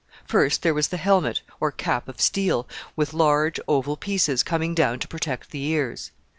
First, there was the helmet, or cap of steel, with large oval pieces coming down to protect the ears.